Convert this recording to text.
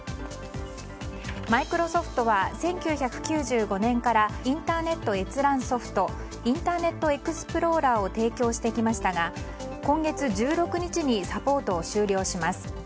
マイクロソフトは１９９５年からインターネット閲覧ソフトインターネットエクスプローラーを提供してきましたが今月１６日にサポートを終了します。